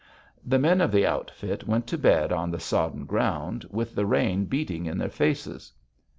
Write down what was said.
The men of the outfit went to bed on the sodden ground with the rain beating in their faces.